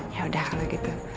yaudah kalau gitu